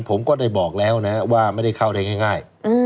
ผมก็ได้บอกแล้วนะว่าไม่ได้เข้าได้ง่าย